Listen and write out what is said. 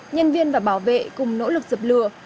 nhân viên và bảo vệ cùng nỗ lực dập lửa